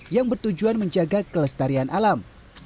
yang bertujuan menjaga kelestarian alam